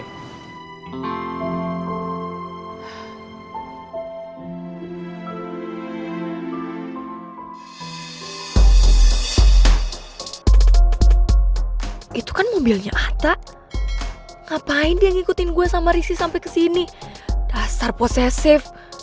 haoi itu kan mobilnya atta ngapain dia ngikutin gua sama riksi sampai ke sini dasar posesif proteins